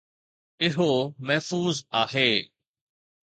اهو محفوظ آهي